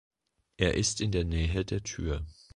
Er ist in der Nähe der Tür.